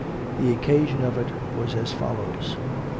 The occasion of it was as follows.